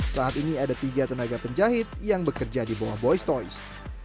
saat ini ada tiga tenaga penjahit yang bekerja di bawah boys toys